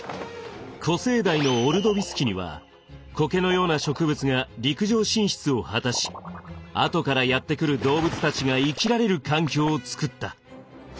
古生代のオルドビス紀にはコケのような植物が陸上進出を果たし後からやって来る動物たちが生きられる環境を作った。